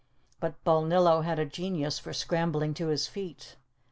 But Balnillo had a genius for scrambling to his feet.